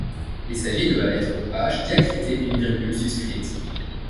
Il s’agit de la lettre H diacritée d’une virgule suscrite.